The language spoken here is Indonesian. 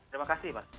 terima kasih mas